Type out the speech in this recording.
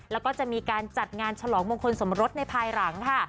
แล้วก็จะมีการจัดงานฉลองมงคลสมรสในภายหลังค่ะ